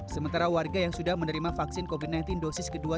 sementara warga yang sudah menerima vaksin covid sembilan belas dosis kedua